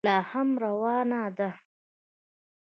لا هم روانه ده.